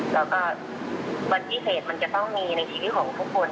แล้วก็วันที่เหตุมันจะต้องมีในชีวิตของทุกคน